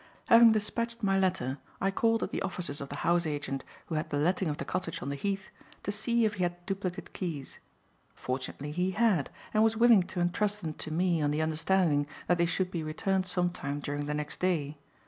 Having dispatched my letter, I called at the offices of the house agent who had the letting of the cottage on the Heath, to see if he had duplicate keys. Fortunately he had, and was willing to entrust them to me on the understanding that they should be returned some time during the next day.